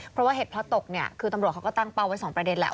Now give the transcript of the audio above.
เพราะว่าเหตุพระตกตำรวจก็ตั้งเป้าไว้๒ประเด็นแล้ว